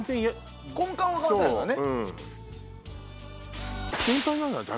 根幹は変わってないからね。